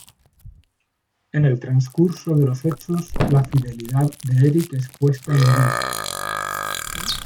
En el transcurso de los hechos, la fidelidad de Erik es puesta en duda.